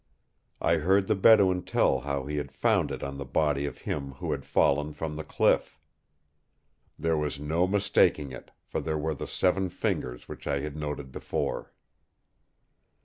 I heard the Bedouin tell how he had found it on the body of him who had fallen from the cliff. There was no mistaking it, for there were the seven fingers which I had noted before.